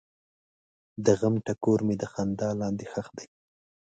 د غم ټکور مې د خندا لاندې ښخ دی.